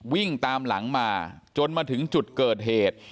วิ่งตามหลังมาจนมาถึงจุดเกิดเหตุ